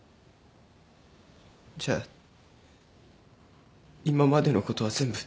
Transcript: じゃあ今までのことは全部。